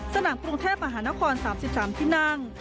สนามกรุงเทพมหานคร๓๓ที่นั่ง